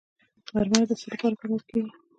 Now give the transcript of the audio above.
مرمر د څه لپاره کارول کیږي؟